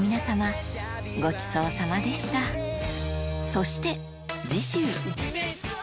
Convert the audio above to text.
そして次週！